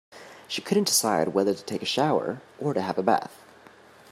She couldn't decide whether to take a shower or to have a bath.